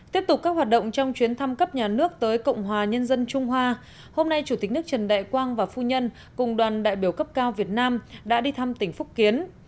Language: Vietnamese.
tiếp tục các hoạt động trong chuyến thăm cấp nhà nước tới cộng hòa nhân dân trung hoa hôm nay chủ tịch nước trần đại quang và phu nhân cùng đoàn đại biểu cấp cao việt nam đã đi thăm tỉnh phúc kiến